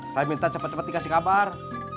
saya minta cepet cepet dikasih kabar